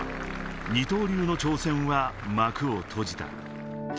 二刀流の挑戦は幕を閉じた。